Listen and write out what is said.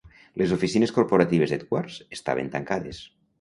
Les oficines corporatives d'Edwards estaven tancades.